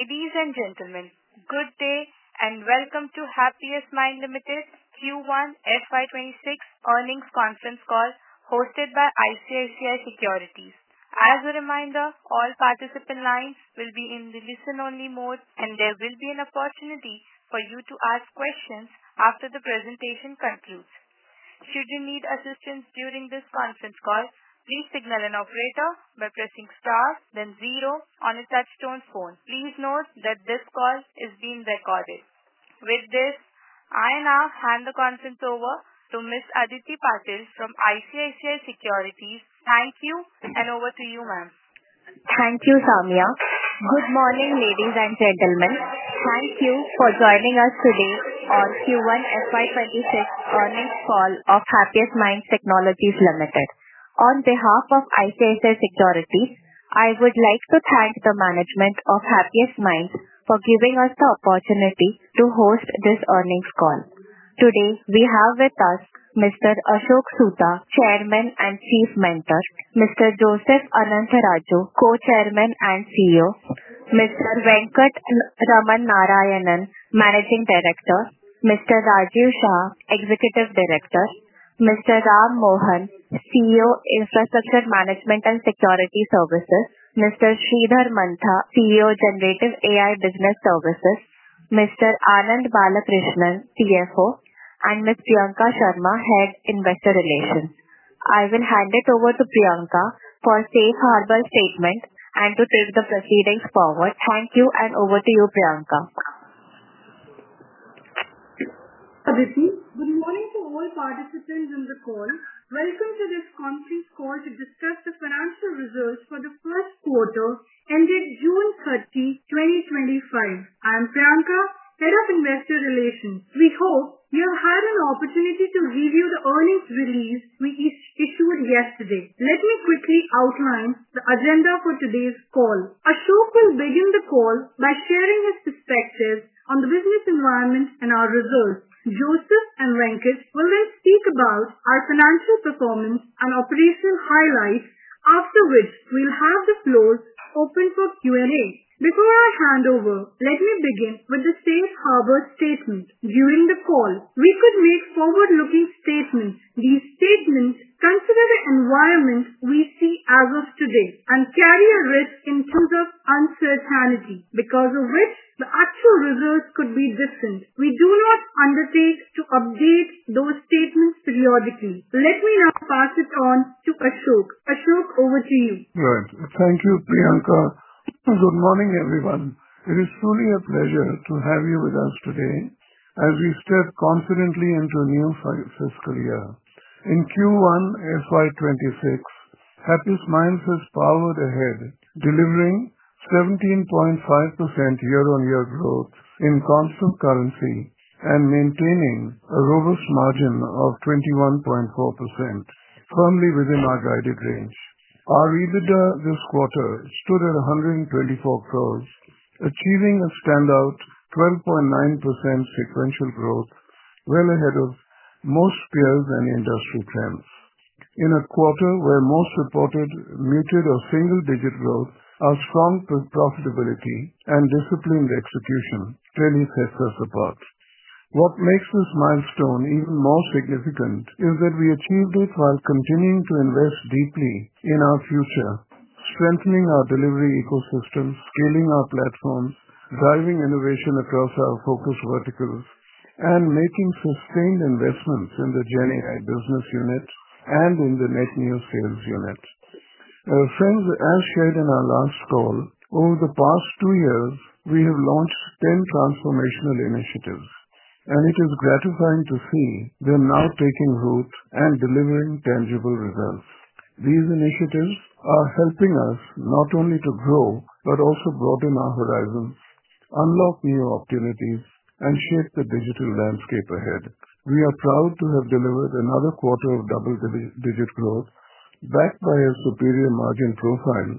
Ladies and gentlemen, good day, and welcome to Happiest Mind Limited Q1 FY 'twenty six Earnings Conference Call hosted by ICICI Securities. As a reminder, all participant lines will be in the listen only mode, and there will be an opportunity for you to ask questions after the presentation concludes. Please note that this call is being recorded. With this, I now hand the conference over to miss Aditi Patel from ICICI Securities. Thank you, and over to you, ma'am. Thank you, Samia. Good morning, ladies and gentlemen. Thank you for joining us today on q one f y twenty six earnings call of Happiest Minds Technologies Limited. On behalf of ICSI Securities, I would like to thank the management of Happiest Minds for giving us the opportunity to host this earnings call. Today, we have with us mister Ashok Sutha, chairman and chief mentor mister Joseph Anand Sarajo, co chairman and CEO mister Venkat Raman Narayanan, managing director, mister Raju Shah, executive director, mister Ram Mohan, CEO, infrastructure management and security services, mister Sreedhar Manta, CEO, Generative AI business services, mister Anand Balakrishnan, CFO, and miss Priyanka Sharma, head investor relations. I will hand it over to Priyanka for safe harbor statement and to take the proceedings forward. Thank you and over to you Priyanka. Good morning to all participants in the call. Welcome to this conference call to discuss the financial results for the first quarter ended 06/30/2025. I'm Priyanka, head of investor relations. We hope you have had an opportunity to review the earnings release we issued yesterday. Let me quickly outline the agenda for today's call. Ashok will begin the call by sharing his perspective on the business environment and our results. Joseph and Rankin will then speak about our financial performance and operational highlights, after which we'll have the floor open for q and a. Before I hand over, let me begin with the safe harbor statement. During the call, we could make forward looking statements. These statements consider the environment we see as of today and carry a risk in terms of uncertainty because of which the actual results could be different. We do not undertake to update those statements periodically. Let me now pass it on to Ashok. Ashok, over to you. Right. Thank you, Priyanka. Good morning, everyone. It is truly a pleasure to have you with us today as we step confidently into a new fiscal year. In q one FY twenty six, Hapi's Minds is powered ahead, delivering 17.5% year on year growth in constant currency and maintaining a robust margin of 21.4%, firmly within our guided range. Our EBITDA this quarter stood at 124 crores, achieving a standout 12.9% sequential growth, well ahead of most peers and industry trends. In a quarter where most reported muted or single digit growth, our strong profitability and disciplined execution really sets us apart. What makes this milestone even more significant is that we achieved it while continuing to invest deeply in our future, strengthening our delivery ecosystems, scaling our platforms, driving innovation across our focus verticals, and making sustained investments in the Gen AI business unit and in the NetNews sales unit. Friends, as shared in our last call, over the past two years, we have launched 10 transformational initiatives, and it is gratifying to see they're now taking root and delivering tangible results. These initiatives are helping us not only to grow, but also broaden our horizons, unlock new opportunities, and shape the digital landscape ahead. We are proud to have delivered another quarter of double digit growth backed by a superior margin profile,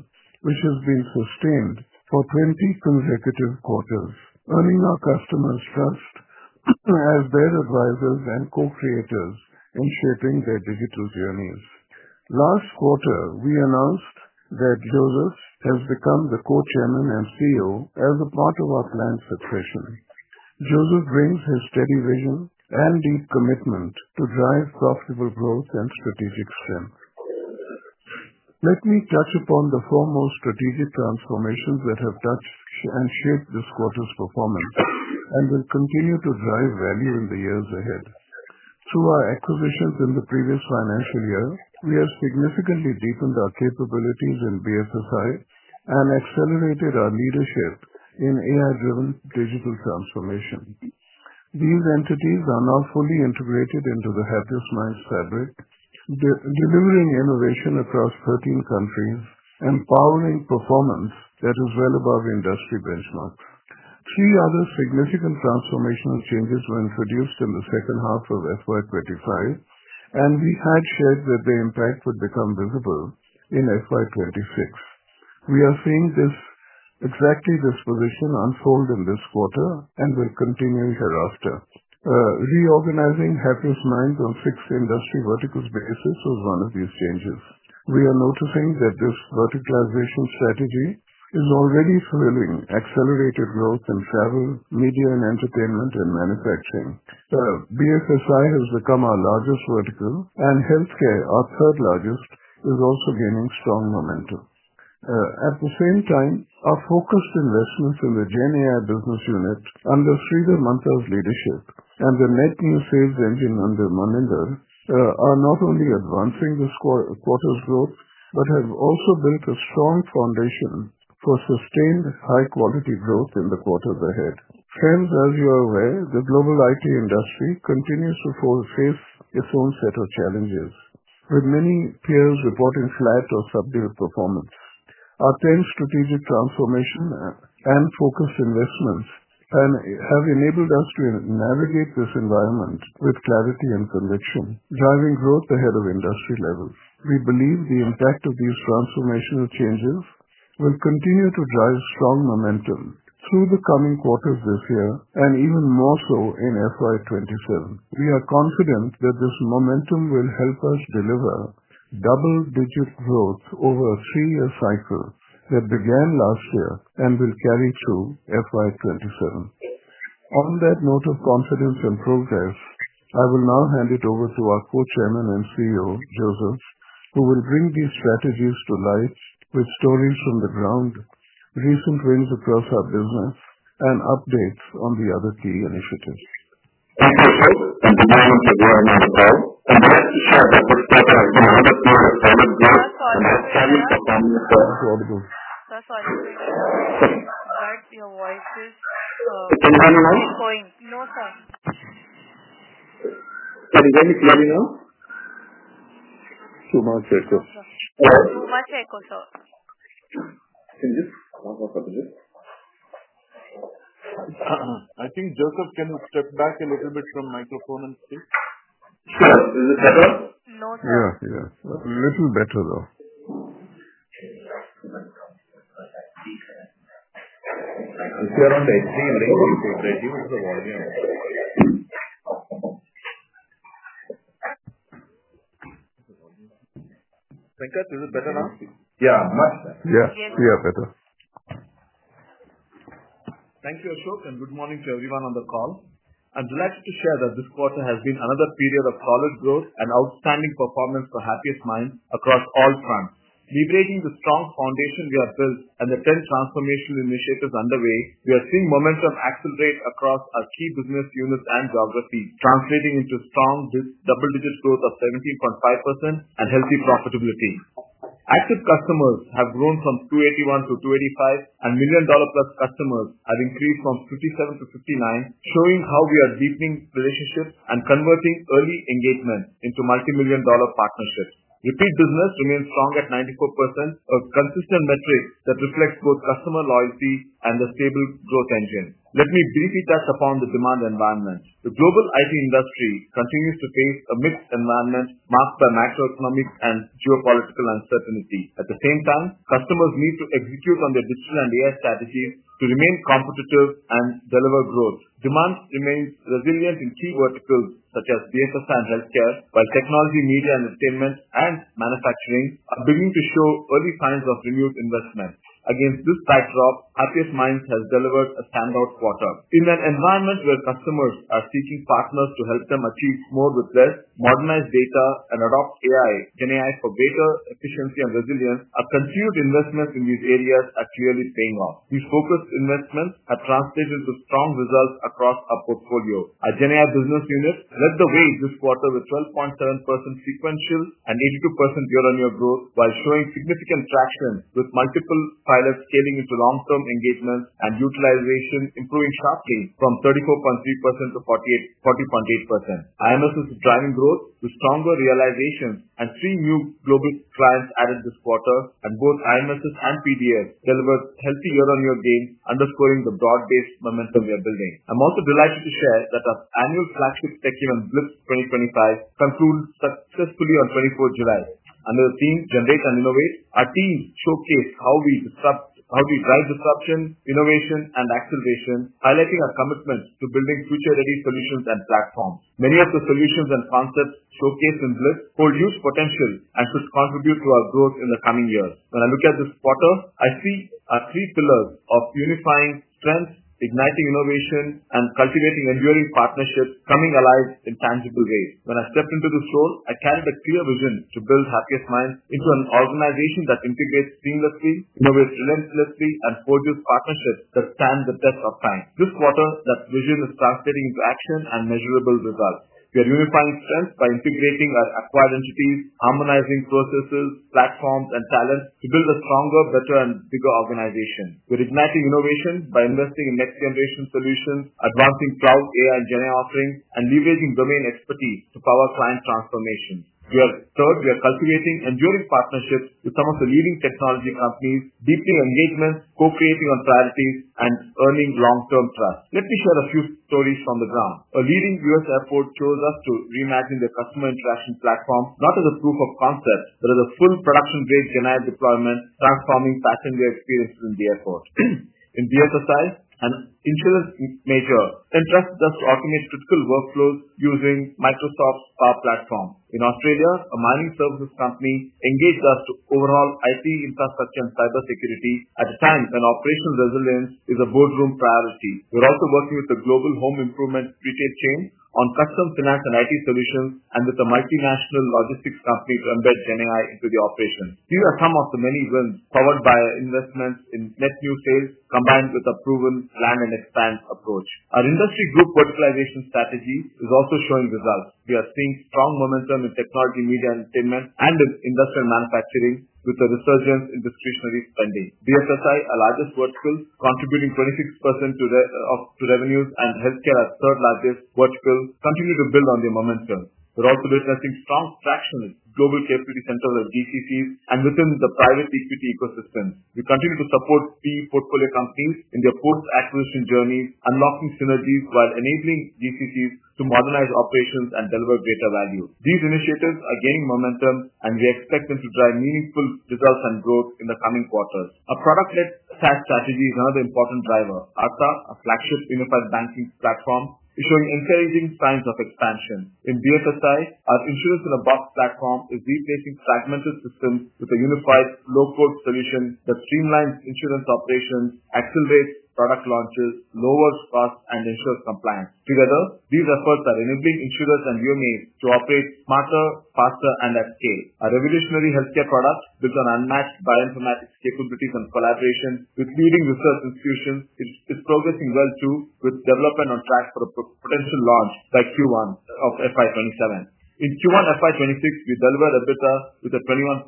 which has been sustained for 20 consecutive quarters, earning our customers trust as their advisers and co creators in shaping their digital journeys. Last quarter, we announced that Joseph has become the co chairman and CEO as a part of our plan suppression. Joseph brings his steady vision and deep commitment to drive profitable growth and strategic strength. Let me touch upon the foremost strategic transformations that have touched and shaped this quarter's performance and will continue to drive value in the years ahead. Through our acquisitions in the previous financial year, we have significantly deepened our capabilities in BSSI and accelerated our leadership in AI driven digital transformation. These entities are now fully integrated into the Hapdos Minds fabric, delivering innovation across 13 countries and powering performance that is well above industry benchmark. Three other significant transformational changes were introduced in the '25, and we had shared that the impact would become visible in f y twenty six. We are seeing this exactly disposition unfold in this quarter and will continue hereafter. Reorganizing Happiness Minds on fixed industry verticals basis was one of these changes. We are noticing that this verticalization strategy is already thrilling accelerated growth in travel, media, and entertainment, and manufacturing. BFSI has become our largest vertical, and health care, our third largest, is also gaining strong momentum. At the same time, our focused investments in the Gen AI business unit under Sridhar Manta's leadership and the net new sales engine under Maninder are not only advancing this quarter's growth, but have also built a strong foundation for sustained high quality growth in the quarters ahead. Since as you are aware, the global IT industry continues to fall face its own set of challenges with many peers reporting flat or subdued performance. Our 10 strategic transformation and focused investments and have enabled us to navigate this environment with clarity and conviction, driving growth ahead of industry levels. We believe the impact of these transformational changes will continue to drive strong momentum through the coming quarters this year and even more so in FY '27. We are confident that this momentum will help us deliver double digit growth over a three year cycle that began last year and will carry through FY '27. On that note of confidence and progress, I will now hand it over to our co chairman and CEO, Joseph, who will bring these strategies to light with stories from the ground, recent wins across our business, and updates on the other key initiatives. Sir. Can you I think Joseph, can you step back a little bit from microphone and speak? Sure. Is it better? No, sir. Yeah. Yeah. A little better, though. Venkat, is it better now? Yes. Much better. Yes. Yes. Better. Thank you, Ashok, and good morning to everyone on the call. I'm delighted to share that this quarter has been another period of solid growth and outstanding performance for Happiest Minds across all fronts. Liberating the strong foundation we have built and the 10 transformational initiatives underway, we are seeing momentum accelerate across our key business units and geographies, translating into strong double digit growth of 17.5% and healthy profitability. Active customers have grown from two eighty one to two eighty five, and million dollar plus customers have increased from 57 to 59, showing how we are deepening relationships and converting early engagement into multimillion dollar partnerships. Repeat business remains strong at 94%, a consistent metric that reflects both customer loyalty and a stable growth engine. Let me briefly touch upon the demand environment. The global IT industry continues to face a mixed environment marked by macroeconomic and geopolitical uncertainty. At the same time, customers need to execute on their digital and AI strategy to remain competitive and deliver growth. Demand remains resilient in key verticals such as BSS and Healthcare, while technology, media entertainment and manufacturing are beginning to show early signs of renewed investment. Against this backdrop, ATS Minds has delivered a standout quarter. In an environment where customers are seeking partners to help them achieve more with their modernized data and adopt AI, an AI for better efficiency and resilience, our continued investments in these areas are clearly paying off. These focused investments have translated to strong results across our portfolio. Our GenAI business unit led the way this quarter with 12.7% sequential and 82% year on year growth, while showing significant traction with multiple pilots scaling into long term engagements and utilization improving sharply from 34.3% to forty eight forty point eight percent. IMS is driving growth with stronger realizations and three new global clients added this quarter, and both IMSS and PDF delivered healthy year on year gain, underscoring the broad based momentum we are building. I'm also delighted to share that our annual flagship TechEven Blips twenty twenty five, concludes successfully on twenty fourth July. Under the team, generate and innovate, our team showcased how we disrupt how we drive disruption, innovation, and acceleration, highlighting our commitment to building future ready solutions and platforms. Many of the solutions and concepts showcased in Blitz hold huge potential and should contribute to our growth in the coming years. When I look at this quarter, I see our three pillars of unifying strength, igniting innovation and cultivating enduring partnerships coming alive in tangible ways. When I stepped into this role, I carried a clear vision to build Happiest Minds into an organization that integrates seamlessly, innovates relentlessly, and fortieth partnerships that stand the best of time. This quarter, that vision is translating into action and measurable results. We are unifying strength by integrating our acquired entities, harmonizing processes, platforms and talent to build a stronger, better and bigger organization. With igniting innovation by investing in next generation solutions, advancing cloud AI and generic offering, and leveraging domain expertise to power client transformation. We are third, we are cultivating enduring partnerships with some of the leading technology companies, deepening engagement, co creating on priorities, and earning long term trust. Let me share a few stories from the ground. A leading US airport chose us to reimagine the customer interaction platform, not as a proof of concept, but as a full production grade denied deployment, transforming passenger experience in the airport. In BFSI, an insurance major, entrust us to automate critical workflows using Microsoft's power platform. In Australia, a mining services company engaged us to overall IT infrastructure and cybersecurity at a time when operational resilience is a boardroom priority. We're also working with the global home improvement retail chain on custom finance and IT solutions and with the multinational logistics company to embed Chennai into the operation. These are some of the many wins powered by investments in net new sales combined with a proven plan and expand approach. Our industry group verticalization strategy is also showing results. We are seeing strong momentum in technology, media and entertainment and in industrial manufacturing with the resurgence in discretionary spending. BFSI, our largest vertical contributing 26% to revenues and health care, our third largest vertical, continue to build on their momentum. We're also witnessing strong traction in global care equity centers, DCCs, and within the private equity ecosystem. We continue to support key portfolio companies in their post acquisition journey, unlocking synergies while enabling DCCs to modernize operations and deliver greater value. These initiatives are gaining momentum, and we expect them to drive meaningful results and growth in the coming quarters. Our product led SaaS strategy is another important driver. ARTA, a flagship unified banking platform, is showing encouraging signs of expansion. In BFSI, our insurance in a box platform is replacing fragmented systems with a unified low code solution that streamlines insurance operations, accelerates product launches, lowers cost, and ensures compliance. Together, these efforts are enabling insurers and UMA to operate smarter, faster, and at scale. A revolutionary health care product with an unmatched bioinformatics capabilities and collaboration with leading research institutions is progressing well too with development on track for a potential launch by '7. In Q1 FY 'twenty six, we delivered EBITDA with a 21.4%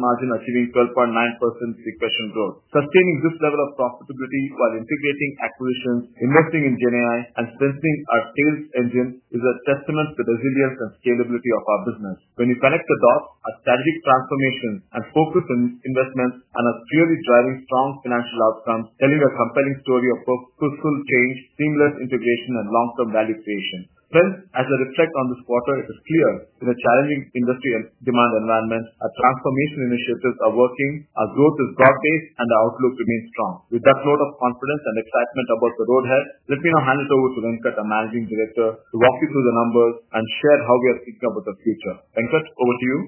margin, achieving 12.9% sequential growth. Sustaining this level of profitability while integrating acquisitions, investing in JNI and strengthening our sales engine is a testament to the resilience and scalability of our business. When you connect the dots, our strategic transformation and focus on investments and are clearly driving strong financial outcomes, telling a compelling story of purposeful change, seamless integration and long term value creation. Well, as a reflect on this quarter, it is clear in a challenging industry demand environment, our transformation initiatives are working, our growth is broad based and our outlook remains strong. With that load of confidence and excitement about the road ahead, let me now hand it over to Venkat, our Managing Director, to walk you through the numbers and share how we are thinking about the future. Venkat, over to you.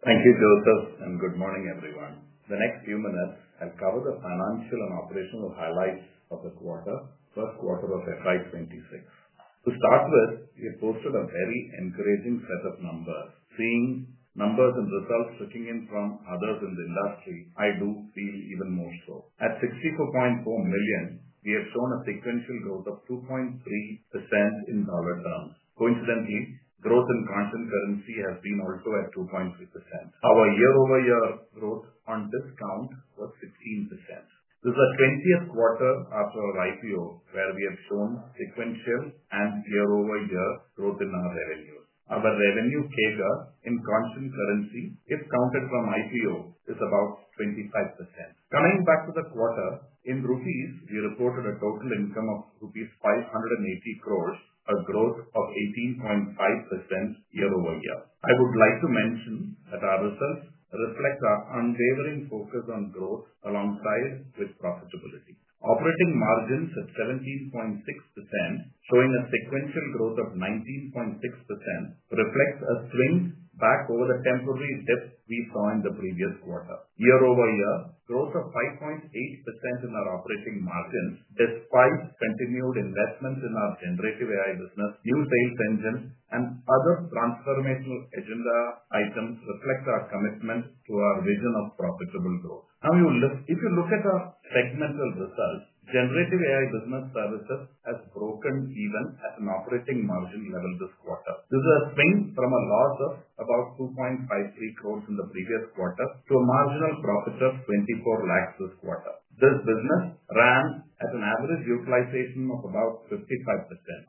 Thank you, Joseph, and good morning, everyone. The next few minutes, I'll cover the financial and operational highlights of the quarter, '6. To start with, we have posted a very encouraging set of numbers. Seeing numbers and results looking in from others in the industry, I do feel even more so. At 64,400,000.0, we have shown a sequential growth of 2.3% in dollar terms. Coincidentally, growth in constant currency has been also at 2.3%. Our year over year growth on discount was 15%. This is our twentieth quarter after our IPO where we have shown sequential and year over year growth in our revenues. Our revenue CAGR in constant currency, if counted from IPO, is about 25%. Coming back to the quarter, in rupees, we reported a total income of rupees $5.80 crores, a growth of 18.5% year over year. I would like to mention that our results reflect our unwavering focus on growth alongside with profitability. Operating margins at 17.6%, showing a sequential growth of 19.6% reflects a swing back over the temporary dip we saw in the previous quarter. Year over year, growth of 5.8% in our operating margins despite continued investments in our generative AI business, new sales engines and other transformational agenda items reflect our commitment to our vision of profitable growth. Now you'll look if you look at our segmental results, Generative AI business services has broken even at an operating margin level this quarter. This has been from a loss of about 2.53 crores in the previous quarter to a marginal profit of 24 lakhs this quarter. This business ran at an average utilization of about 55%.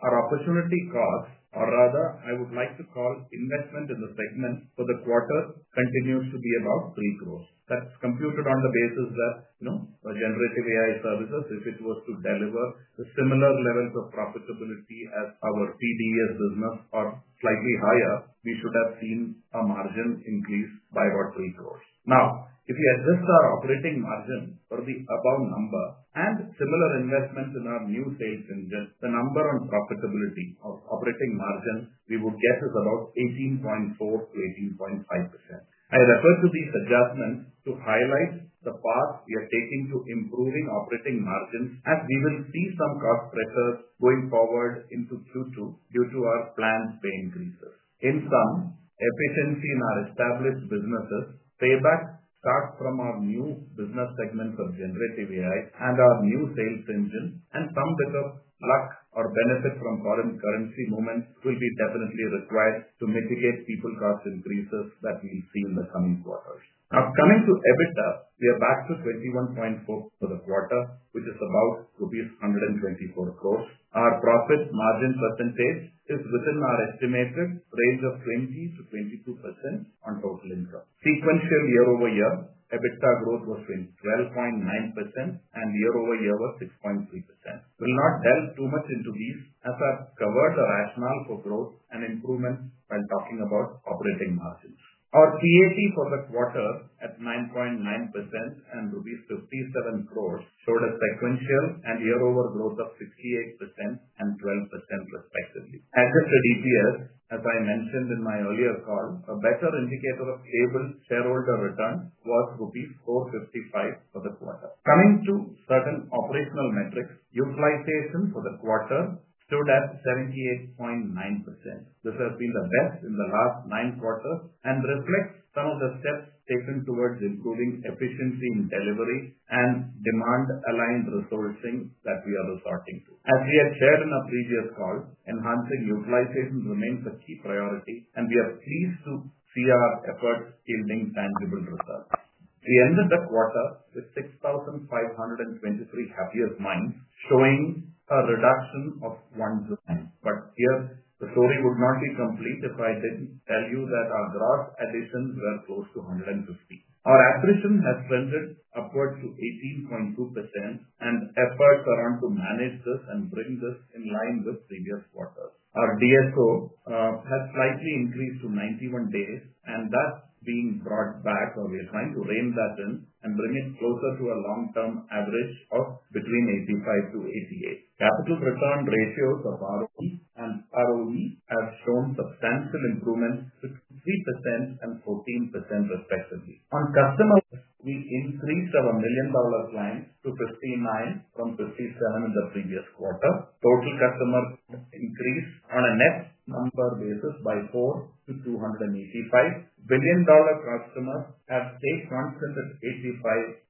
Our opportunity cost or rather, I would like to call investment in the segment for the quarter continues to be about 3 crores. That's computed on the basis that, you know, the generative AI services, if it was to deliver the similar levels of profitability as our TDES business are slightly higher, we should have seen our margin increase by about 3 crores. Now if you adjust our operating margin for the above number and similar investments in our new sales engine, the number on profitability of operating margin, we would get is about 18.4% to 18.5%. I refer to these adjustments to highlight the path we are taking to improving operating margins as we will see some cost pressures going forward into Q2 due to our planned pay increases. In sum, efficiency in our established businesses, payback starts from our new business segments of generative AI and our new sales engine and some bit of luck or benefit from foreign currency movements will be definitely required to mitigate people cost increases that we see in the coming quarters. Now coming to EBITDA, we are back to 21.4 for the quarter, which is about rupees 124 crores. Our profit margin percentage is within our estimated range of 20 to 22% on total income. Sequential year over year, EBITDA growth was 12.9% and year over year was 6.3%. We'll not delve too much into these as I've covered the rationale for growth and improvement while talking about operating margins. Our TAT for the quarter at 9.9% and rupees 57 crores showed a sequential and year over growth of sixty eight percent and twelve percent, respectively. Adjusted EPS, as I mentioned in my earlier call, a better indicator of Cable shareholder return was rupee $4.55 for the quarter. Coming to certain operational metrics, utilization for the quarter stood at 78.9%. This has been the best in the last nine quarters and reflects some of the steps taken towards improving efficiency in delivery and demand aligned resourcing that we are resorting As we have shared in our previous call, enhancing utilization remains a key priority, and we are pleased to see our efforts yielding tangible results. We ended the quarter with 6,523 happiest mines, showing a reduction of 1%. But here, the story would not be complete if I didn't tell you that our gross additions were close to 150. Our attrition has trended upwards to 18.2% and efforts around to manage this and bring this in line with previous quarters. Our DSO has slightly increased to ninety one days, and that's being brought back, so we are trying to rein that in and bring it closer to a long term average of between 85 to 88. Capital return ratios of ROE and ROE have shown substantial improvement, 6014% respectively. On customer, we increased our million dollar client to 59 from 57 in the previous quarter. Total customer increased on a net number basis by four to 285. Billion dollar customers have paid 185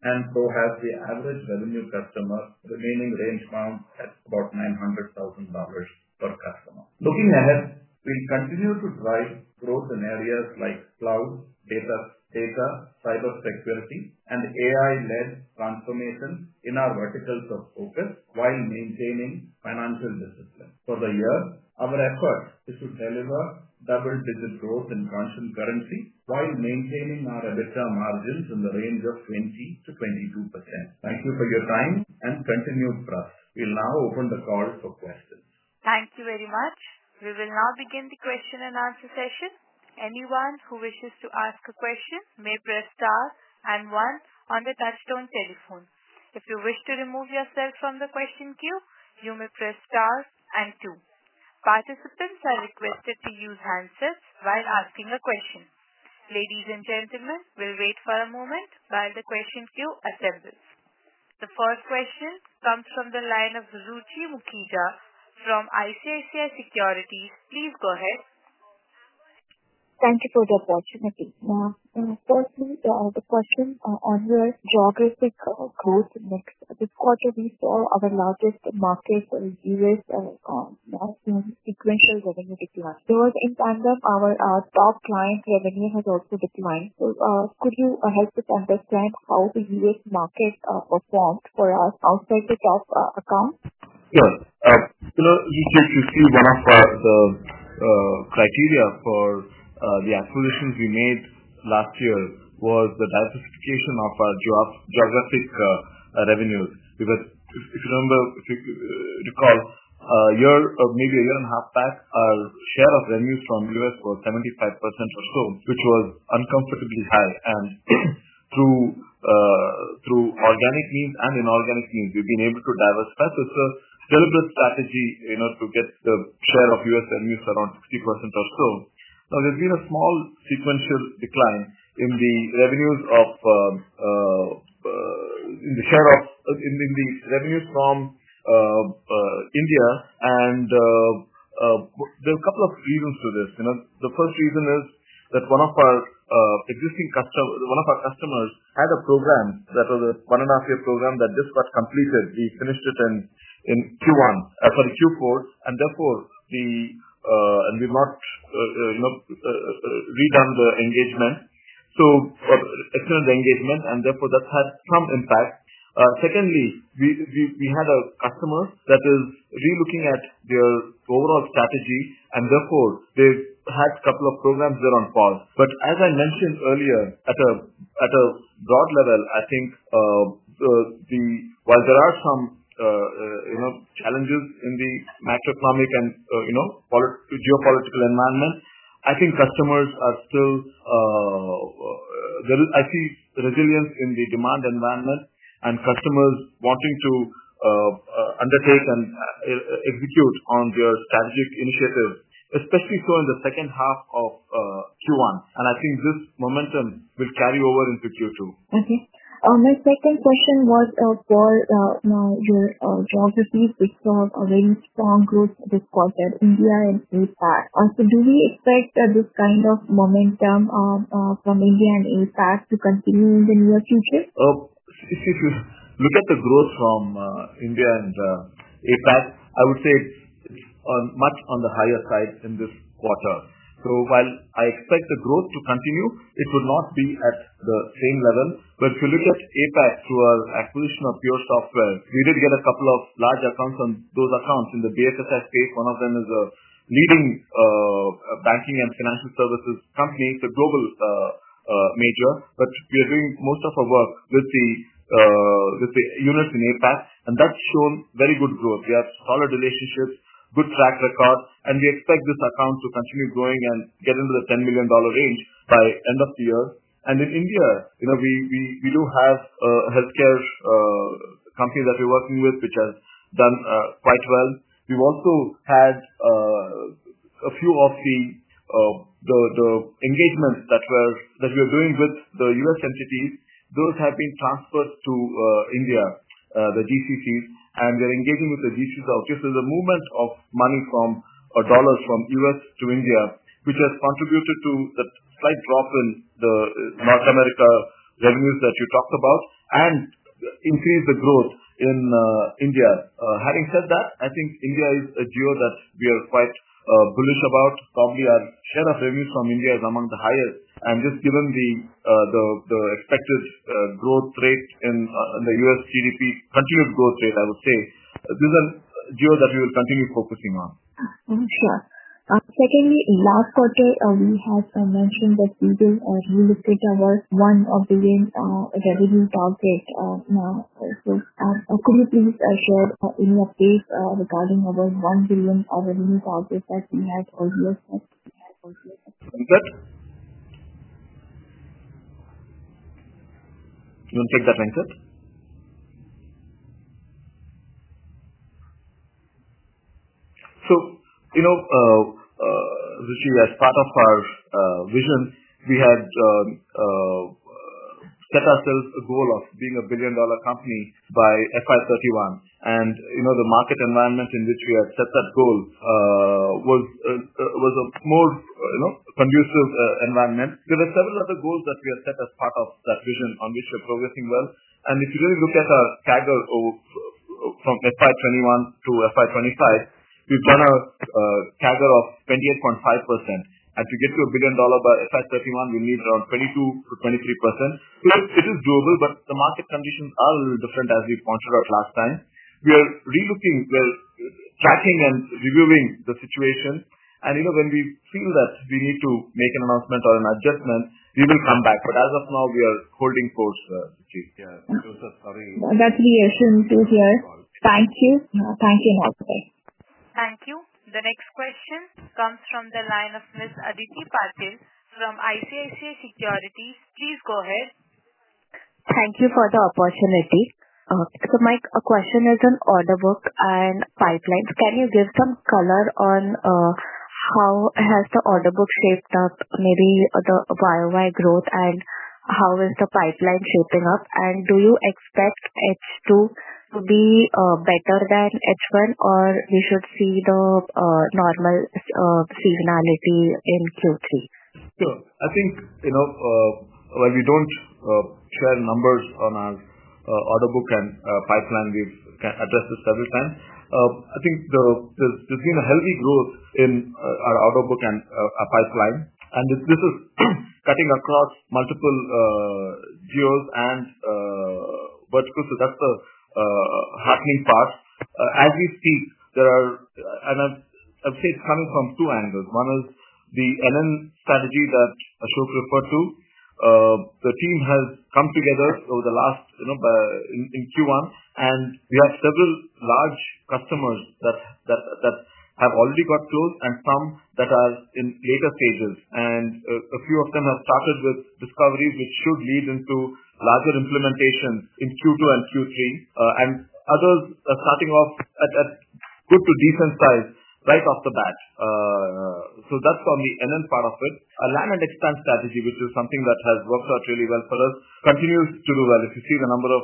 and so has the average revenue customer, remaining range bound at about $900,000 per customer. Looking ahead, we continue to drive growth scenarios like cloud, data data, cybersecurity, and AI led transformation in our verticals of focus while maintaining financial discipline. For the year, our effort is to deliver double digit growth in constant currency while maintaining our EBITDA margins in the range of 20 to 22%. Thank you for your time and continued trust. We'll now open the call for questions. Thank you very much. We will now begin the question and answer session. Anyone who wishes to ask a question may press star and one on the touch tone telephone. If you wish to remove yourself from the question queue, Participants are requested to use handsets while asking a question. Ladies and gentlemen, we'll wait for a moment while the question queue assembles. The first question comes from the line of from ICICI Securities. Please go ahead. Thank you for the opportunity. Now firstly, the question on your geographic growth mix. This quarter, we saw our largest market in US, that's in sequential revenue decline. So in tandem, our top client revenue has also declined. So could you help us understand how The US market performed for us outside the top account? Yes. You you just received one of the criteria for the acquisitions we made last year was the diversification of our job geographic revenue. Because if you remember, if you recall, a year or maybe a year and a half back, our share of revenues from U. S. Was 75% or so, which was uncomfortably high. And organic means and inorganic means, we've been able to diversify. So it's a deliberate strategy in order to get the share of US revenues around 60% or so. Now there's been a small sequential decline in the revenues of the share of in in the revenues from India. And there are a couple of reasons to this. You know, the first reason is that one of our existing customer one of our customers had a program that was a one point five year program that just got completed. We finished it in Q1 sorry, Q4. And therefore, we and we've not redone the engagement. So but it's not the engagement, and therefore, that had some impact. Secondly, we we we had a customer that is relooking at their overall strategy, and therefore, they've had a couple of programs that are on pause. But as I mentioned earlier, at a at a broad level, I think the the while there are some, you know, challenges in the macroeconomic and, you know, geopolitical environment, I think customers are still there is I see resilience in the demand environment and customers wanting to undertake and execute on their strategic initiative, especially so in the '1. And I think this momentum will carry over into q two. Okay. My second question was for now your geography. It's a very strong growth this quarter, India and APAC. Also, do we expect this kind of momentum from India and APAC to continue in the near future? If you look at the growth from India and APAC, I would say it's much on the higher side in this quarter. So while I expect the growth to continue, it would not be at the same level. But if you look at APAC through our acquisition of Pure Software, we did get a couple of large accounts on those accounts in the BFSS space. One of them is a leading banking and financial services company, the global major, but we are doing most of our work with the with the units in APAC, and that's shown very good growth. We have solid relationships, good track record, and we expect this account to continue growing and get into the $10,000,000 range by end of the year. And in India, you know, we we we do have a health care company that we're working with, which has done quite well. We've also had a few of the the the engagement that were that we are doing with The US entities. Those have been transferred to India, the DCC, and we're engaging with the DCC. This is a movement of money from or dollars from US to India, which has contributed to the slight drop in the North America revenues that you talked about and increase the growth in India. Having said that, I think India is a geo that we are quite bullish about. Probably our share of revenues from India is among the highest. And just given the the the expected growth rate in The US GDP, continued growth rate, I would say, this is a geo that we will continue focusing on. Sure. Secondly, last quarter, we had mentioned that we will relocate our 1,000,000,000 revenue target now also. Could you please share any update regarding our 1,000,000,000 revenue target that we had earlier? You don't take that, Venkat? So, you know, Rishi, as part of our vision, we had set ourselves a goal of being a billion dollar company by FY thirty one. And, you know, the market environment in which we have set that goal was was a more, you know, conducive environment. There are several other goals that we have set as part of that vision on which we're progressing well. And if you really look at our CAGR of from FY '21 to FY '25, we've done a CAGR of 28.5%. As we get to $1,000,000,000 by FY 'thirty one, we need around 22% to 23%. It is doable, but the market conditions are a little different as we pointed out last time. We are relooking we're tracking and reviewing the situation. And, you know, when we feel that we need to make an announcement or an adjustment, we will come back. But as of now, we are holding course, sir. Those are sorry. That's the issue here. Thank you. Thank you. Okay. You. The next question comes from the line of miss Aditi Patel from ICICI Securities. Please go ahead. Thank you for the opportunity. So, Mike, a question is on order book and pipeline. Can you give some color on how has the order book shaped up, maybe the y o y growth and how is the pipeline shaping up? And do you expect h two to be better than H1? Or we should see the normal seasonality in Q3? Sure. I think while we don't share numbers on our order book and pipeline, we've addressed this several times. I think there's been a healthy growth in our order book and our pipeline. And this is cutting across multiple deals and verticals. So that's the happening part. As we speak, there are and I've I've said coming from two angles. One is the LN strategy that Ashok referred to. The team has come together over the last in Q1, and we have several large customers that have already got closed and some that are in later stages. And a few of them have started with discoveries, which should lead into larger implementation in Q2 and Q3. And others are starting off at good to decent size right off the bat. So that's from the end part of it. Our land and expand strategy, which is something that has worked out really well for us, continues to do well. If you see the number of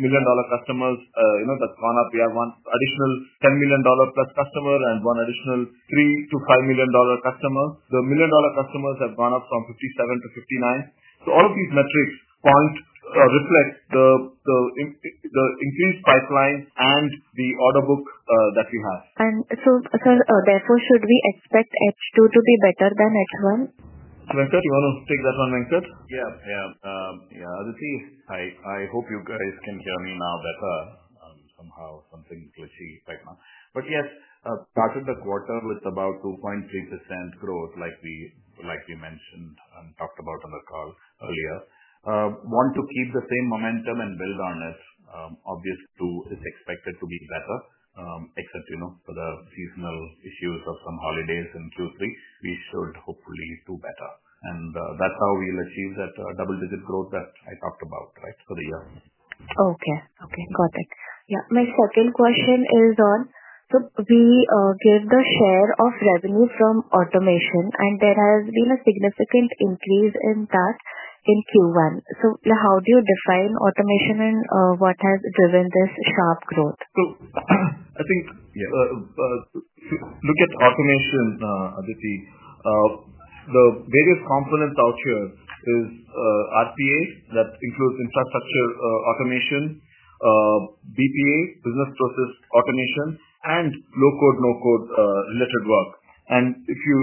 million dollar customers, you know, that's gone up. We have one additional $10,000,000 plus customer and one additional 3,000,000 to $5,000,000 customer. The million dollar customers have gone up from 57 to 59. So all of these metrics point reflect the the the increased pipeline and the order book that we have. And so, sir, therefore, should we expect h two to be better than h one? Venkat, do you wanna take that one, Venkat? Yeah. Yeah. Yeah. Aditi, I I hope you guys can hear me now that somehow something glitchy right now. But, yes, started the quarter with about 2.3% growth like we like we mentioned and talked about on the call earlier. Want to keep the same momentum and build on it. Obvious two is expected to be better except, you know, for the seasonal issues of some holidays in q three. We should hopefully do better. And that's how we'll achieve that double digit growth that I talked about, right, for the year. Okay. Okay. Got it. Yeah. My second question is on so we gave the share of revenue from automation, and there has been a significant increase in that in q one. So how do you define automation and what has driven this sharp growth? So I think Yeah. Look at automation, Aditi. The various components out here is RPA that includes infrastructure automation, BPA, business process automation, and low code, no code lettered work. And if you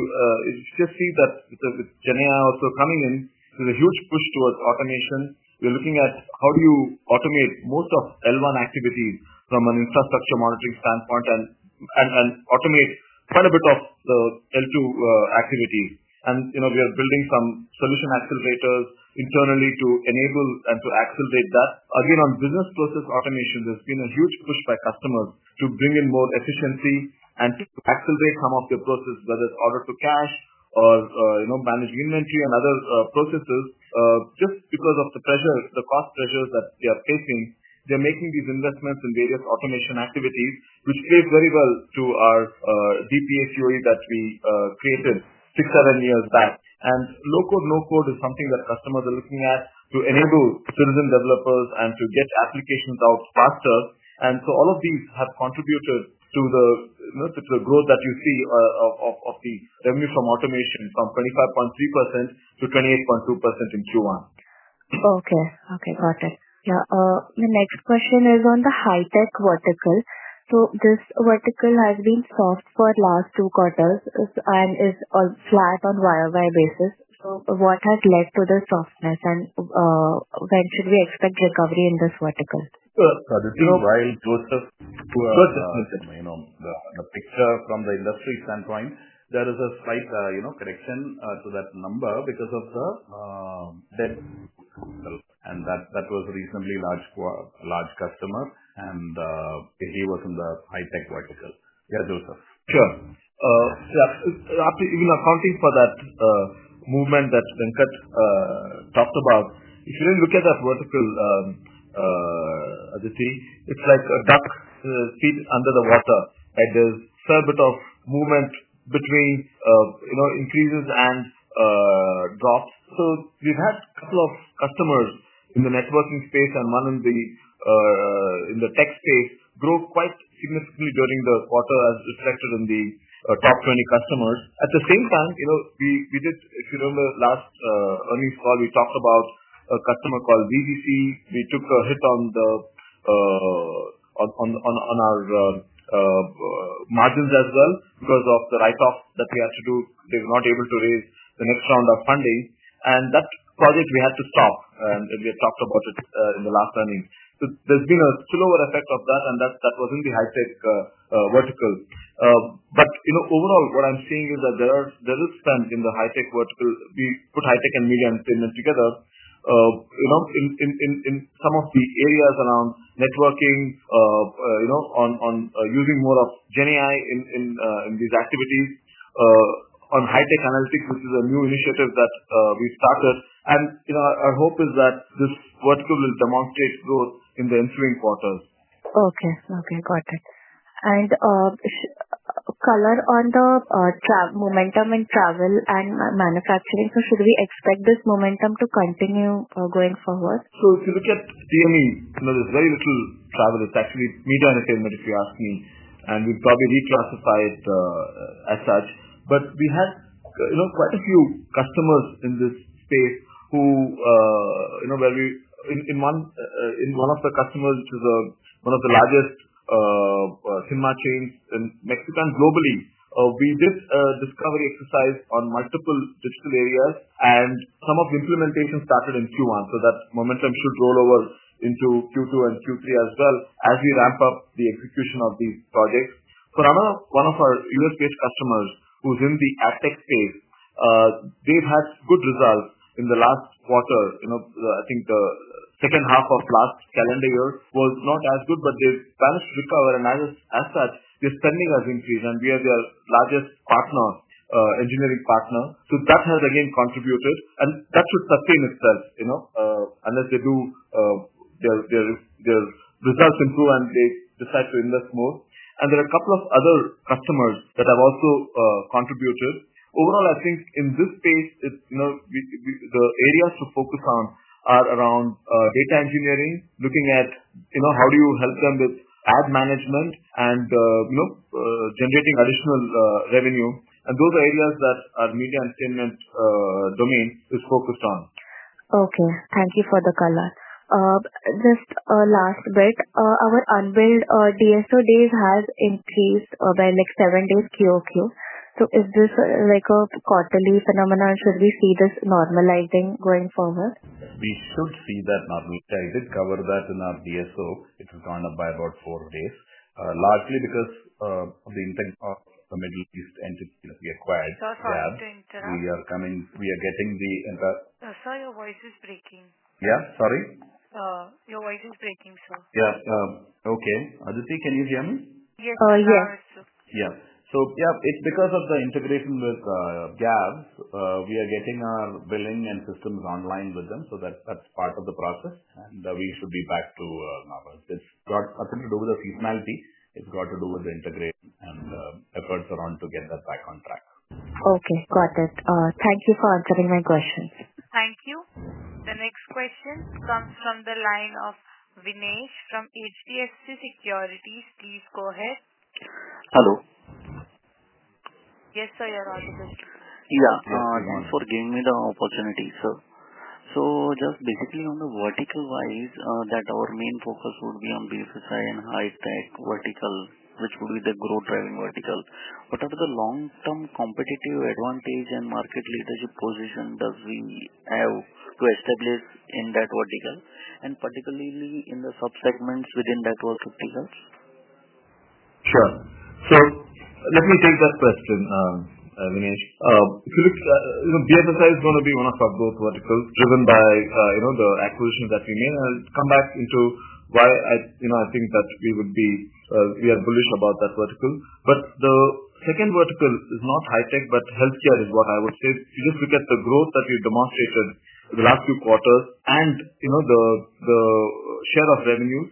you just see that with with Jena also coming in, there's a huge push towards automation. We're looking at how do you automate most of l one activities from an infrastructure monitoring standpoint and and and automate quite a bit of the l two activity. And, you know, we are building some solution accelerators internally to enable and to accelerate that. Again, on business process automation, there's been a huge push by customers to bring in more efficiency and to accelerate some of the process, whether it's order to cash or manage inventory and other processes just because of the pressure, the cost pressures that they are facing. They're making these investments in various automation activities, which paid very well to our DPA query that we created six, seven years back. And low code, no code is something that customers are looking at to enable citizen developers and to get applications out faster. And so all of these have contributed to the, you know, to the growth that you see of of the revenue from automation from 25.3% to 28.2% in q one. Okay. Okay. Got it. Yeah. The next question is on the high-tech vertical. So this vertical has been soft for last two quarters and is all flat on y o y basis. So what has led to the softness, and when should we expect recovery in this vertical? So this is why Joseph Joseph, you know, the the picture from the industry standpoint, there is a slight, you know, correction to that number because of the debt. And that that was reasonably large large customer, and he was in the high-tech vertical. Yeah, Joseph. Sure. Yeah. After even accounting for that movement that Venkat talked about, if you really look at that vertical, Aditi, it's like a duck feet under the water. Like, there's a little bit of movement between increases and drops. So we've had a couple of customers in the networking space and one in the tech space grow quite significantly during the quarter as reflected in the top 20 customers. At the same time, we did if you remember last earnings call, we talked about a customer called VBC. We took a hit on the on our margins as well because of the write off that we had to do. They were not able to raise the next round of funding. And that project we had to stop, we have talked about it in the last earnings. So there's been a slower effect of that, and that was in the high-tech vertical. But overall, what I'm seeing is that there there are spend in the high-tech vertical. We put high-tech and media entertainment together, you know, in in in in some of the areas around networking, you know, on on using more of Geniei in in in these activities. On high-tech analytics, which is a new initiative that we started. And, you know, our hope is that this vertical will demonstrate growth in the ensuing quarters. Okay. Okay. Got it. And color on the trav momentum in travel and manufacturing. So should we expect this momentum to continue going forward? So if you look at DME, you know, there's very little travel. It's actually media entertainment if you ask me, and we probably declassify it as such. But we had quite a few customers in this space who where we in one of the customers, which is one of the largest cinema chains in Mexican globally, we did discovery exercise on multiple digital areas and some of the implementation started in Q1. So that momentum should roll over into Q2 and Q3 as well as we ramp up the execution of these projects. For another one of our US based customers who's in the ad tech space, they've had good results in the last quarter. You know, I think the second half of last calendar year was not as good, but they've managed to recover. And as such, their spending has increased, and we are their largest partner, engineering partner. So that has again contributed, and that should sustain itself unless they do their their their results improve and they decide to invest more. And there are a couple of other customers that have also contributed. Overall, I think in this space, it's you know, we we the areas to focus on are around data engineering, looking at, you know, how do you help them with ad management and, you know, generating additional revenue. And those are areas that our media entertainment domain is focused on. Okay. Thank you for the color. Just last bit, our unbilled DSO days has increased by, like, seven days q o q. So is this, like, a quarterly phenomenon? Should we see this normalizing going forward? We should see that now. We guided cover that in our DSO. It has gone up by about four days, largely because of the intent of the Middle East entity that we acquired. Sir, sorry to interrupt. We are coming we are getting the entire Sir, your voice is breaking. Yeah. Sorry? Your voice is breaking, sir. Yeah. Okay. Aditi, can you hear me? Yes. Yes. Yes. Yep. It's because of the integration with Gavs. We are getting our billing and systems online with them, so that that's part of the process, and we should be back to Nava. It's got nothing to do with the seasonality. It's got to do with the integration and efforts around to get that back on track. Okay. Got it. Thank you for answering my questions. Thank you. The next question comes from the line of Vinay from HDFC Securities. Please go ahead. Hello. Yes, sir. You're all good. Yeah. Thanks for giving me the opportunity, sir. So just basically on the vertical wise, that our main focus would be on BFSI and high-tech vertical, which will be the growth driving vertical. What are the long term competitive advantage and market leadership position does we have to establish in that vertical and particularly in the subsegments within that vertical? Sure. So let me take that question, Vinesh. You look, BFSI is going to be one of our growth verticals driven by the acquisitions that we made. I'll come back into why I think that we would be we are bullish about that vertical. But the second vertical is not high-tech, but health care is what I would say. If you just look at the growth that you demonstrated in the last few quarters and the share of revenue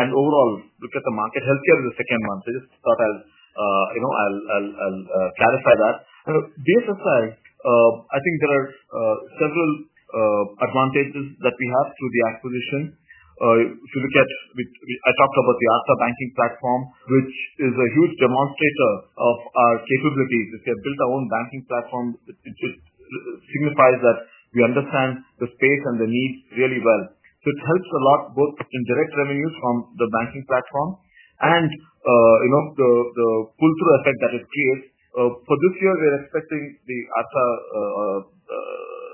and overall, look at the market. Health care is the second one. So I just thought I'll clarify that. BFSI, I think there are several advantages that we have through the acquisition. If you look at I talked about the Absa banking platform, which is a huge demonstrator of our capabilities. We have built our own banking platform. It just signifies that we understand the space and the need really well. So it helps a lot both in direct revenues from the banking platform and, you know, the the pull through effect that it creates. For this year, we're expecting the other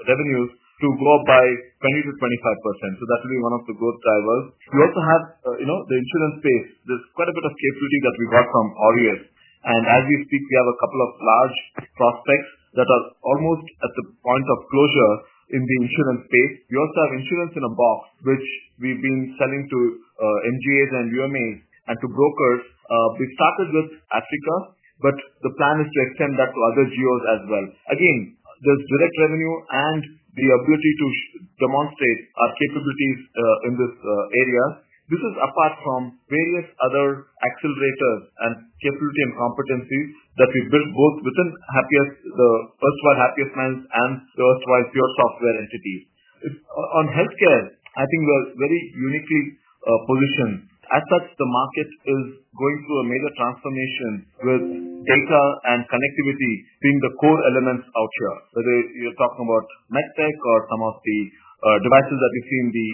revenues to grow by 20% to 25%. So that will be one of the growth drivers. We also have, you know, the insurance base. There's quite a bit of capability that we got from Audi. And as we speak, we have a couple of large prospects that are almost at the point of closure in the insurance space. We also have insurance in a box, which we've been selling to MGAs and UMA and to brokers. We started with Africa, but the plan is to extend that to other geos as well. Again, there's direct revenue and the ability to demonstrate our capabilities in this area. This is apart from various other accelerators and capability and competencies that we've built both within Happiest the first one Happiest Minds and third twice pure software entity. On health care, I think we're very uniquely positioned. As such, the market is going through a major transformation with data and connectivity being the core elements out here, whether you're talking about medtech or some of the devices that we see in the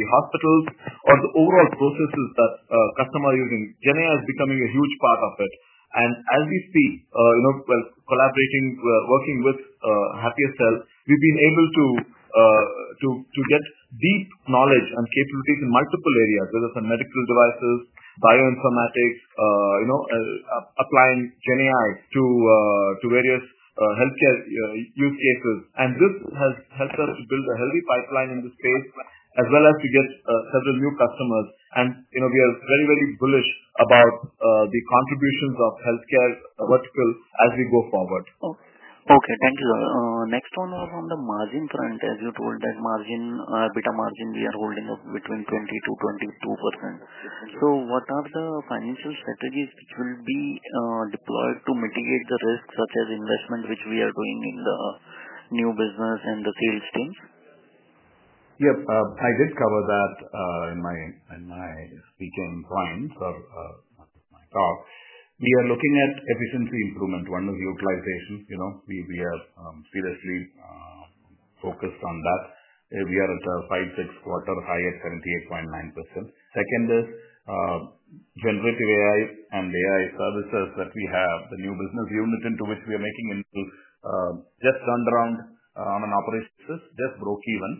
the hospitals or the overall processes that customer using. Chennai is becoming a huge part of it. And as we speak, you know, while collaborating, working with HappierCell, we've been able to to get deep knowledge and capabilities in multiple areas, whether it's in medical devices, bioinformatics, you know, applying GenAI to to various health care use cases. And this has helped us to build a healthy pipeline in this space as well as to get several new customers. And, you know, we are very, bullish about the contributions of health care vertical as we go forward. Thank you, sir. Next one on the margin front, as you told that margin, EBITDA margin, we are holding up between 20 to 22%. So what are the financial strategies which will be deployed to mitigate the risks such as investment which we are doing in the new business and the sales teams? Yep. I did cover that in my in my speaking point of my talk. We are looking at efficiency improvement. One of the utilization, you know, we we are seriously focused on that. We are at five, six quarter high at 78.9%. Second is generative AI and AI services that we have, the new business unit into which we are making into just turnaround on an operations just broke even.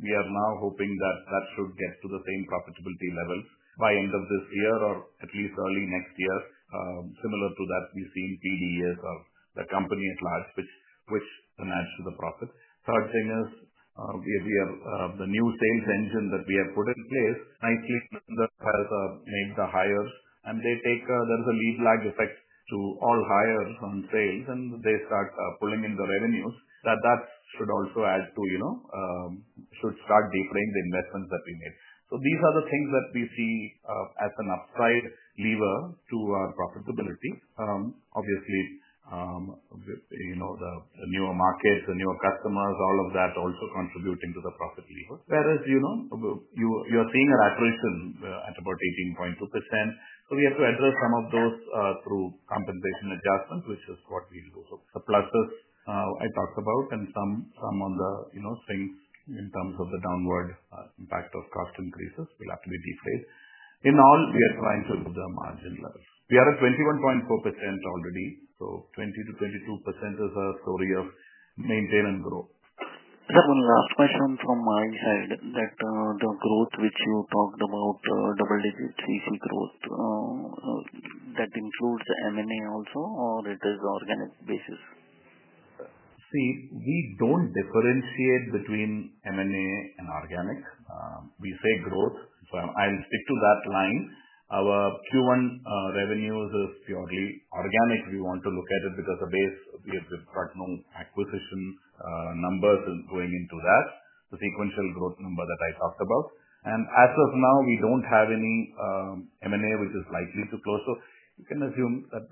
We are now hoping that that should get to the same profitability level by end of this year or at least early next year. Similar to that, we've seen PD as a company at large, which which can match to the profit. So I think it's we we have the new sales engine that we have put in place nicely that has made the hires, and they take there's a lead lag effect to all hires on sales, and they start pulling in the revenues. That that should also add to, you know should start deflating the investments that we made. So these are the things that we see as an upside lever to profitability. Obviously, you know, the newer markets, newer customers, all of that also contributing to the profit levers. Whereas, you know, you you're seeing an attrition at about 18.2%. So we have to address some of those through compensation adjustments, which is what we do. So the pluses I talked about and some some on the, you know, things in terms of the downward impact of cost increases will have to be deflated. In all, we are trying to move the margin levels. We are at 21.4% already. So 20 to 22% is a story of maintain and grow. Sir, one last question from my side that the growth which you talked about, double digit growth, that includes the M and A also or it is organic basis? See, we don't differentiate between M and A and organic. We say growth, so I'll stick to that line. Our Q1 revenues is purely organic. We want to look at it because the base, we have with partner acquisition numbers is going into that, the sequential growth number that I talked about. And as of now, we don't have any m and a, which is likely to close. So you can assume that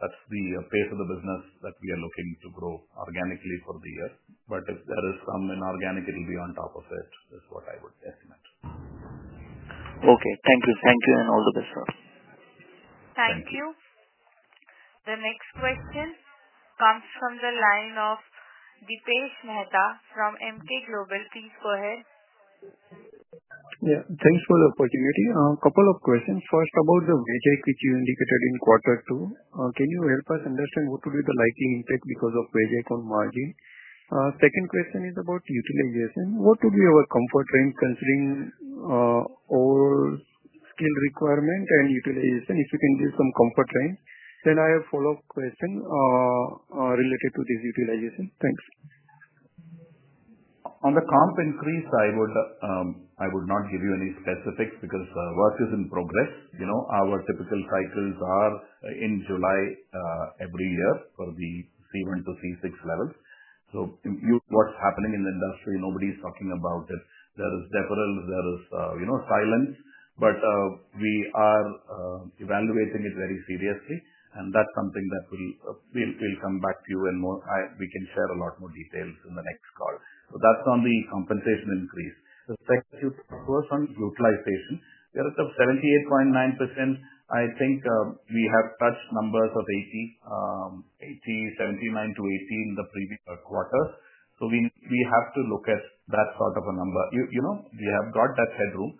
that's that's the pace of the business that we are looking to grow organically for the year. But if there is some inorganically on top of it, that's what I would estimate. Okay. Thank you. Thank you, and all the best, sir. Thank you. The next question comes from the line of Dipesh Mehta from MK Global. Please go ahead. Yeah. Thanks for the opportunity. A couple of questions. First, about the which you indicated in quarter two. Can you help us understand what would be the likely impact because of paycheck on margin? Second question is about utilization. What would be our comfort in considering all skill requirement and utilization, if you can give some comfort in? Then I have follow-up question related to this utilization. Thanks. On the comp increase, I would I would not give you any specifics because work is in progress. You know, our typical cycles are in July every year for the c one to c six level. So you what's happening in the industry, nobody is talking about it. There is deferral. There is, you know, silence, but we are evaluating it very seriously, and that's something that we'll we'll we'll come back to you and more I we can share a lot more details in the next call. So that's on the compensation increase. The second is first on utilization. There is a 78.9%. I think we have touched numbers of eighty eighty 79 to 80 in the previous quarter. So we we have to look at that sort of a number. You you know, we have got that headroom.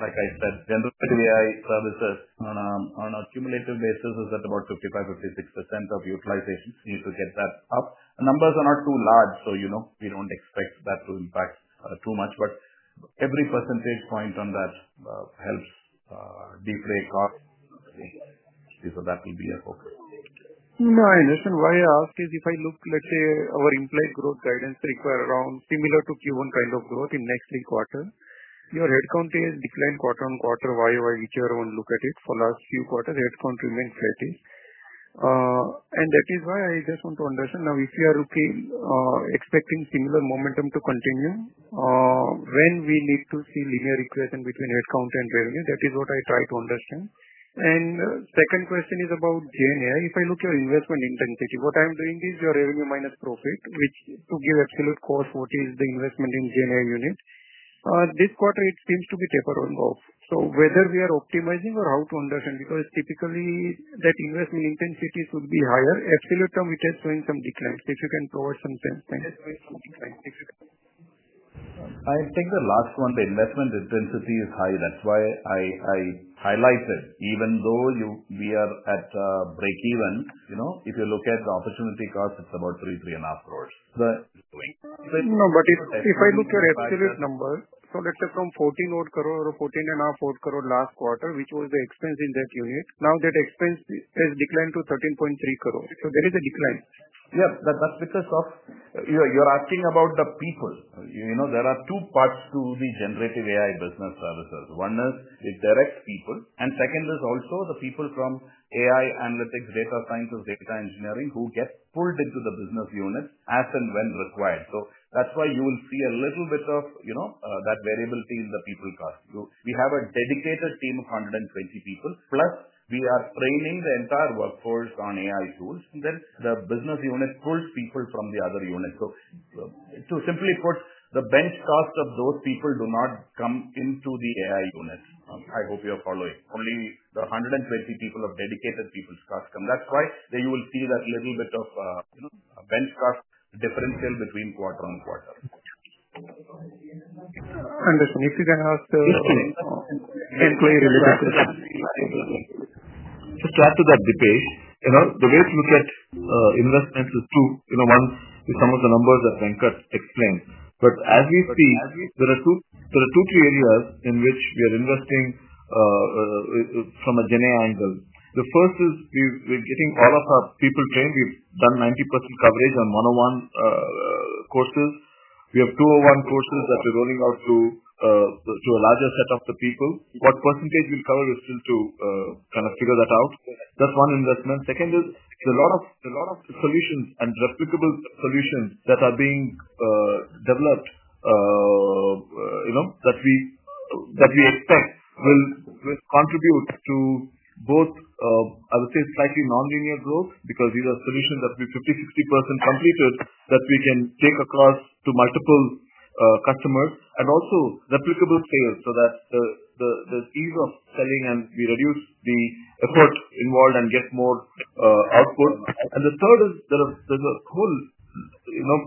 Like I said, then the AI services on a on a cumulative basis is at about 55, 56% of utilization. You could get that up. The numbers are not too large, so, you know, we don't expect that to impact too much. But every percentage point on that helps deflate cost. So that will be a focus. No. I understand. Why I ask is if I look, let's say, our implied growth guidance require around similar to q one kind of growth in next three quarter, Your headcount is declined quarter on quarter, why why each year, I won't look at it. For last few quarters, headcount remains flattish. And that is why I just want to understand now if you are looking expecting similar momentum to continue, when we need to see linear equation between headcount and revenue? That is what I try to understand. And second question is about J and A. If I look at investment intensity, what I'm doing is your revenue minus profit, which to give absolute cost, what is the investment in J and A unit. This quarter, it seems to be taper on both. So whether we are optimizing or how to understand because typically that investment intensity should be higher, absolute term, it is showing some declines. If you can provide some sense. Sense, think the last one, the investment intensity is high. That's why I I highlighted. Even though you we are at breakeven, you know, if you look at the opportunity cost, it's about $3.03 and a half crores. But No. But if if I look at absolute number, so let's say from 14 or 14 and a half odd crore last quarter, which was the expense in that unit, now that expense has declined to 13.3 crore. So there is a decline. Yep. That that's because of you're you're asking about the people. You you know, there are two parts to the generative AI business services. One is it direct people, and second is also the people from AI analytics, data science, and data engineering who get pulled into the business unit as and when required. So that's why you will see a little bit of, you know, that variability in the people cost. So we have a dedicated team of 120 people, plus we are training the entire workforce on AI tools, and then the business unit pulls people from the other unit. So so simply put, the bench cost of those people do not come into the AI unit. I hope you are following. Only the 120 people of dedicated That's why they will see that little bit of, you know, a bench cost differential between quarter on quarter. Understood. If you can also Just Just add to that, Dipesh. You know, the way to look at investments is two. You know, one is some of the numbers that Venkat explained. But as we speak, there are two there are two clear areas in which we are investing from a general angle. The first is we've we're getting all of our people trained. We've done 90% coverage on one zero one courses. We have two zero one courses that we're rolling out to to a larger set of the people. What percentage we'll cover is still to kind of figure that out. That's one investment. Second is, there's a lot of there's a lot of solutions and replicable solutions that are being developed, you know, that we that we expect will will contribute to both, I would say, slightly nonlinear growth because these are solutions that we're 50%, 60% completed that we can take across to multiple customers and also replicable sales so that the ease of selling and we reduce the effort involved and get more output. And the third is there are there's a whole, you know,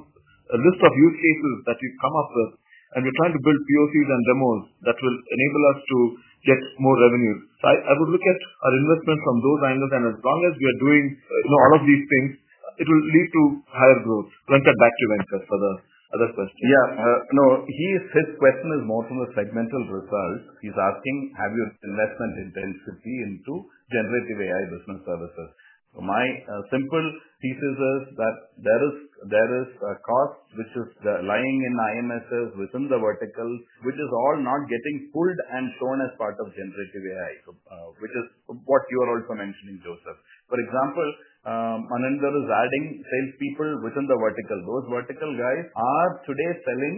list of use cases that you've come up with, and we're trying to build POCs and demos that will enable us to get more revenue. So I I would look at our investment from those angles, and as long as we are doing, you know, all of these things, it will lead to higher growth. When I get back to Venkat for the other question. Yeah. No. He his question is more from a segmental result. He's asking, have your investment intensity into generative AI business services? My simple thesis is that there is there is a cost which is lying in IMSs within the vertical, which is all not getting pulled and shown as part of generative AI, which is what you are also mentioning, Joseph. For example, Ananda is adding salespeople within the vertical. Those vertical guys are today selling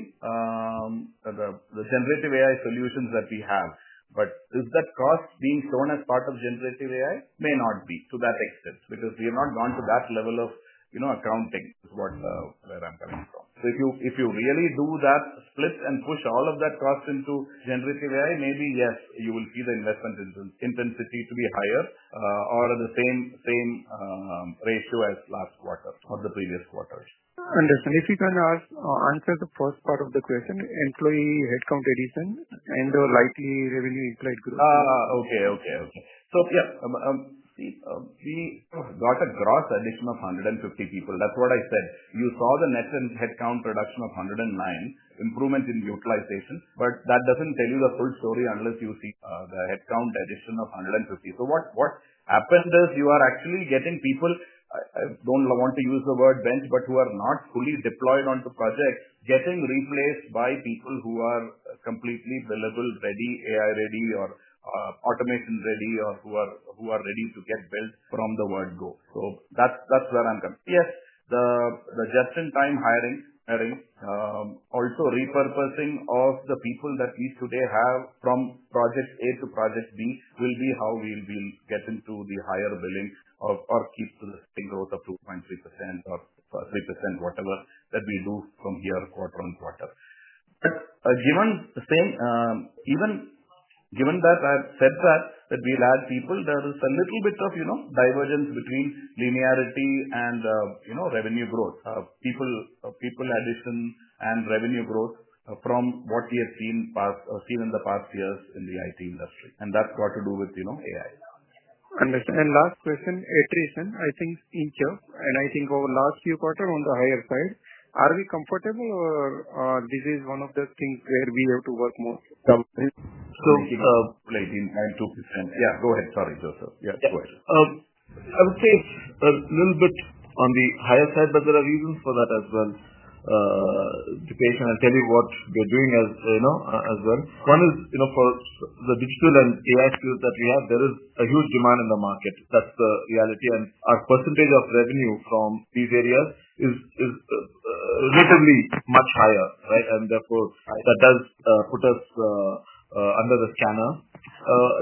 the the generative AI solutions that we have. But is that cost being shown as part of generative AI? May not be to that extent because we have not gone to that level of, you know, accounting is what where I'm coming from. So if you if you really do that split and push all of that cost into generative AI, maybe, yes, you will see the investment intensity to be higher or the same same ratio as last quarter or the previous quarters. Understand. If you can ask answer the first part of the question, employee headcount addition and the likely revenue implied growth. Okay. Okay. Okay. So yep. See, we got a gross addition of 150 people. That's what I said. You saw the net in headcount production of 109, improvement in utilization, but that doesn't tell you the full story unless you see the headcount addition of 150. So what what happened is you are actually getting people I don't want to use the word bench, but who are not fully deployed onto projects, getting replaced by people who are completely billable ready, AI ready, or automation ready, or who are who are ready to get built from the word go. So that's that's where I'm coming. Yes. The the just in time hiring hiring, also repurposing of the people that we today have from project a to project b will be how we'll be getting to the higher billing of or keep to the same growth of 2.3% or 3%, whatever that we do from here quarter on quarter. But given the same even given that I've said that that we'll add people, there is little bit of, you know, divergence between linearity and, you know, revenue growth. People people addition and revenue growth from what we have seen past seen in the past years in the IT industry, and that's got to do with, you know, Understand. And last question, attrition, I think, in job, and I think over last few quarter on the higher side, are we comfortable or this is one of the things where we have to work more? So like, in time to present. Yeah. Go ahead. Sorry, Joseph. Yeah. Go ahead. Ahead. I would say it's a little bit on the higher side, but there are reasons for that as well. The patient, I'll tell you what they're doing as, you know, as well. One is, you know, for the digital and AI field that we have, there is a huge demand in the market. That's the reality. And our percentage of revenue from these areas is is relatively much higher. Right? And therefore, that does put us under the scanner.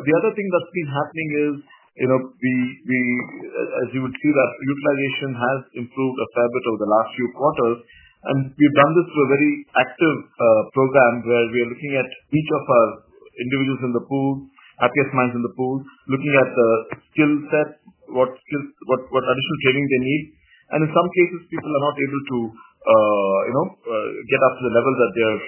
The other thing that's been happening is, you know, the the as you would see that utilization has improved a fair bit over the last few quarters. And we've done this through a very active program where we are looking at each of our individuals in the pool, happiest minds in the pool, looking at the skill set, what skill what what additional training they need. And in some cases, people are not able to, you know, get up to the level that they are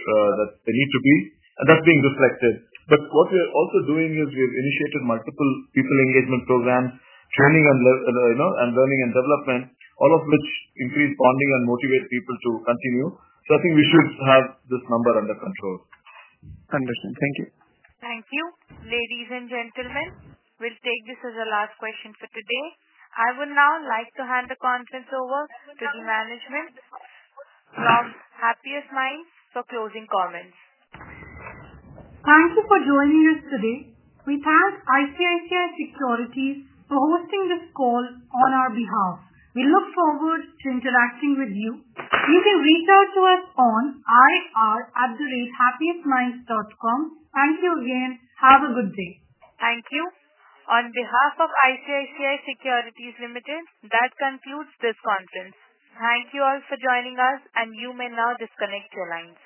that they need to be, and that's being reflected. But what we are also doing is we have initiated multiple people engagement program, training and, know, and learning and development, all of which increase funding and motivate people to continue. So I think we should have this number under control. Understood. Thank you. Thank you. Ladies and gentlemen, we'll take this as the last question for today. I would now like to hand the conference over to the management from HappiestMinds for closing comments. Thank you for joining us today. We thank ICICI Securities for hosting this call on our behalf. We look forward to interacting with you. You can reach out to us on r@theratehappiestminds.com. Thank you again. Have a good day. Thank you. On behalf of ICICI Securities Limited, that concludes this conference. Thank you all for joining us, and you may now disconnect your lines.